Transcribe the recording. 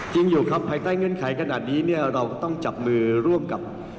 อยู่ครับภายใต้เงื่อนไขขนาดนี้เนี่ยเราก็ต้องจับมือร่วมกับ